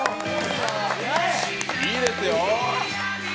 いいですよ。